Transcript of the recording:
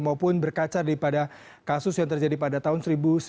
maupun berkaca daripada kasus yang terjadi pada tahun seribu sembilan ratus sembilan puluh